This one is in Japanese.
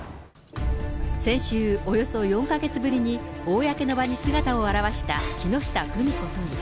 先週、およそ４か月ぶりに、公の場に姿を現した木下富美子都議。